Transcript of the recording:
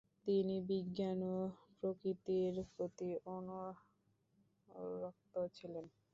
তিনি বিজ্ঞান ও প্রকৃতির প্রতি অণুরক্ত ছিলেন।